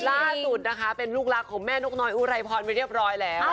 ล่าสุดนะคะเป็นลูกรักของแม่นกน้อยอุไรพรไปเรียบร้อยแล้ว